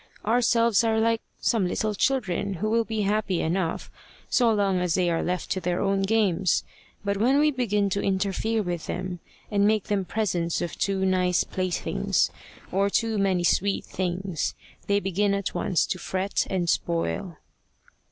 Our Selves are like some little children who will be happy enough so long as they are left to their own games, but when we begin to interfere with them, and make them presents of too nice playthings, or too many sweet things, they begin at once to fret and spoil.